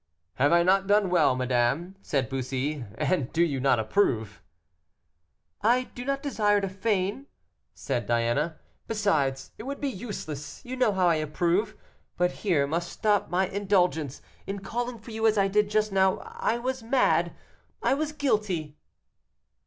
"Have I not done well, madame," said Bussy, "and do you not approve?" "I do not desire to feign," said Diana, "besides, it would be useless; you know I approve; but here must stop my indulgence; in calling for you as I did just now I was mad I was guilty."